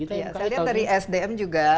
saya lihat dari sdm juga